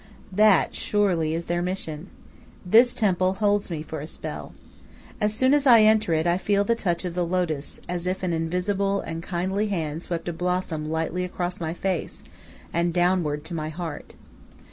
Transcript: That surely is their mission. This temple holds for me a spell. As soon as I enter it, I feel the touch of the lotus, as if an invisible and kindly hand swept a blossom lightly across my face and downward to my heart.